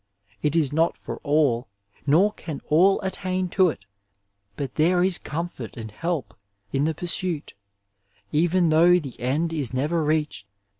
'* It is not for all, nor can all attain to it, but there is comfort and help in the pursuit, even though the end is never reached.